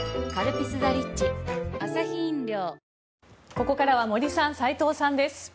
ここからは森さん、斎藤さんです。